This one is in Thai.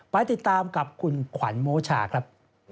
ไปติดตามกับคุณขวัญโมชาครับ